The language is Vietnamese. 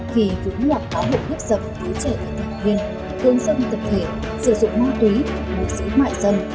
khi chúng nộp cáo hội bất giập đối trẻ thành thần tiên tương dân tập thể sử dụng ma túy bộ sĩ mại dân